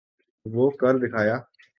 وہ کر دکھایا۔